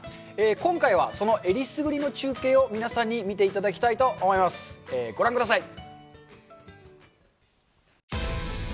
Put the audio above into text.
今回はそのえりすぐりの中継を皆さんに見て頂きたいと思いますご覧ください